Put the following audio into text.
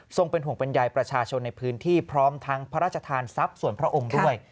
ห่วงบรรยายประชาชนในพื้นที่พร้อมทั้งพระราชทานทรัพย์ส่วนพระองค์ด้วย